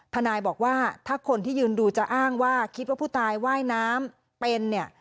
ทนายบอกว่าถ้าคนที่ยืนดูจะอ้างว่าคิดว่าผู้ตายว่ายน้ำเป็นเนี่ย